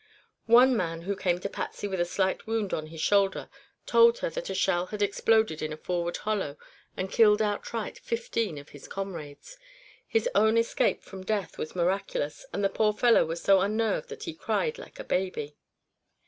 One man who came to Patsy with a slight wound on his shoulder told her that a shell had exploded in a forward hollow and killed outright fifteen of his comrades. His own escape from death was miraculous and the poor fellow was so unnerved that he cried like a baby.